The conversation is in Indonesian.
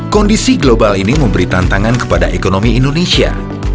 kondisi global ini memberi tantangan kepada ekonomi indonesia